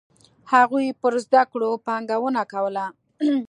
هغوی پر زده کړو پانګونه کوله.